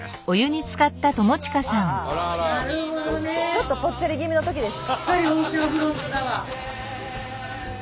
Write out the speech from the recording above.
ちょっとぽっちゃり気味のときです。